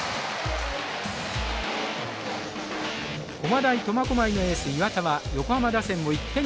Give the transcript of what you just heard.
駒大苫小牧のエース岩田は横浜打線を１点に抑える好投。